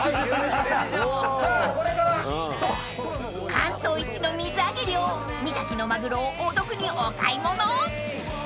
［関東一の水揚げ量三崎のマグロをお得にお買い物］